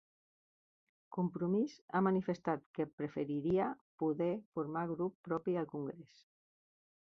Compromís ha manifestat que preferiria poder formar grup propi al congrés